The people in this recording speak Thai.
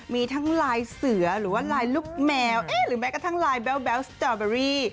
มีทั้งลายเสือหรือว่าลายลูกแมวหรือแม้กระทั่งลายแบ๊วสตอเบอรี่